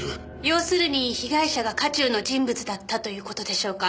要するに被害者が渦中の人物だったという事でしょうか。